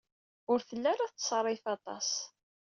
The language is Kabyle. Ur telli ara tettṣerrif aṭas.